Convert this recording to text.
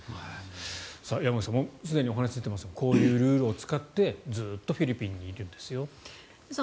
山口さん、すでにお話に出ていますがこういうルールを使ってずっとフィリピンにいるんですよという。